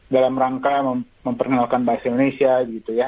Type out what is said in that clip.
dalam rangka memperkenalkan bahasa indonesia